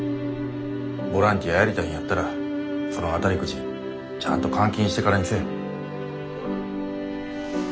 ボランティアやりたいんやったらその当たりくじちゃんと換金してからにせえ。